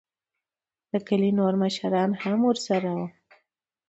دکلي نوور مشران هم ورسره وو.